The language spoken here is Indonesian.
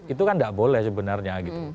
itu kan tidak boleh sebenarnya gitu